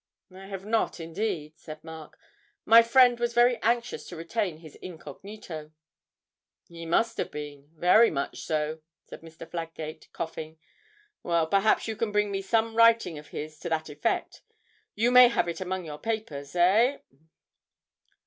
'I have not indeed,' said Mark, 'my friend was very anxious to retain his incognito.' 'He must have been very much so,' said Mr. Fladgate, coughing; 'well, perhaps you can bring me some writing of his to that effect? You may have it among your papers, eh?'